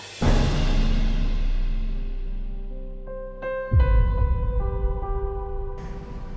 ibu menjual kamu juga